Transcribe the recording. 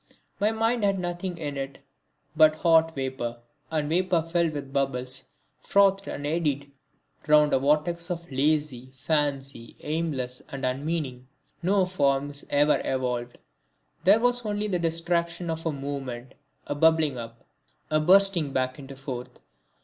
My mind had nothing in it but hot vapour, and vapour filled bubbles frothed and eddied round a vortex of lazy fancy, aimless and unmeaning. No forms were evolved, there was only the distraction of movement, a bubbling up, a bursting back into froth.